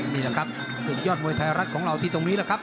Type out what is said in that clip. นี่แหละครับศึกยอดมวยไทยรัฐของเราที่ตรงนี้แหละครับ